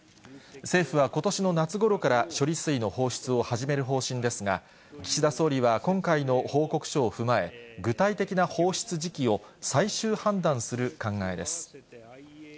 政府はことしの夏ごろから処理水の放出を始める方針ですが、岸田総理は今回の報告書を踏まえ、具体的な放出時期を最終判断する考えです。